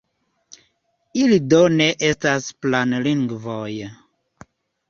Ili do ne estas "planlingvoj".